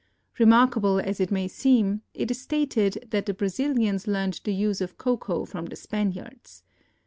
Remarkable as it may seem, it is stated that the Brazilians learned the use of cocoa from the Spaniards.